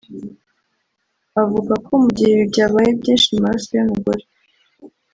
Avuga ko mu gihe ibi byabaye byinshi mu maraso y’umugore